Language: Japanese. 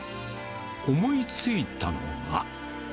思いついたのが。